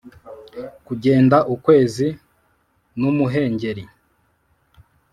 kugenda ukwezi n'umuhengeri;